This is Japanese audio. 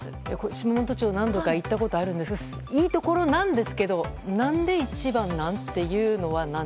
島本町何度か行ったことあるんですがいいところなんですけども何で一番なん？っていうのは。